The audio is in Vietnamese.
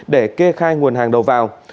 để kê khai nguồn hàng đầu vào